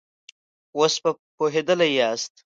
اوس به پوهېدلي ياست.